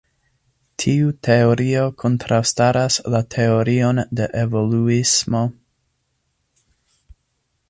Tiu teorio kontraŭstaras la teorion de evoluismo.